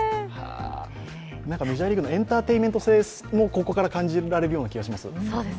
メジャーリーグのエンターテインメント性もここから感じられるような気がします。